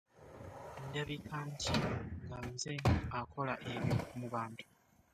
Ndabika ntya nga nze akola ebyo mu bantu!